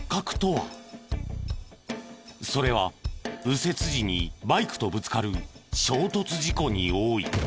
それは右折時にバイクとぶつかる衝突事故に多い。